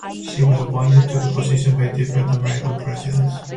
She was appointed to the position by different American presidents.